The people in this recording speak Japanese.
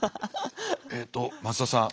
えっと松田さん